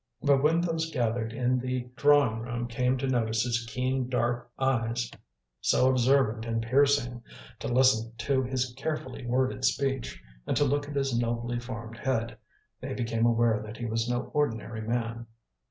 But when those gathered in the drawing room came to notice his keen, dark eyes, so observant and piercing, to listen to his carefully worded speech, and to look at his nobly formed head, they became aware that he was no ordinary man.